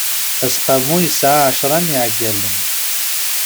Aseqqamu yesɛa ɛecṛa n iɛeggalen.